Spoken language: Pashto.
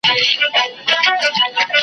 ما د خټو د خدایانو بندګي منلې نه ده .